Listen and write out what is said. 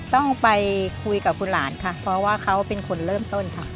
ต้องไปคุยกับคุณหลานค่ะเพราะว่าเขาเป็นคนเริ่มต้นค่ะ